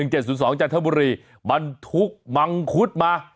๑๗๐๒จันทบุรีบันทุกมังคุดมา